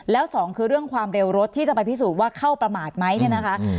แล้วสองคือเรื่องความเร็วรถที่จะไปพิสูจน์ว่าเข้าประมาทไหมเนี่ยนะคะ